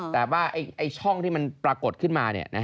แต่ว่าช่องที่มันปรากฏขึ้นมา